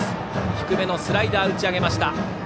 低めのスライダーを打ち上げました。